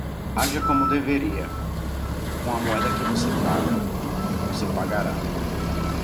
Aja como deveria, com a moeda que você paga, você pagará.